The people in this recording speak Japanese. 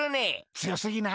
つよすぎない？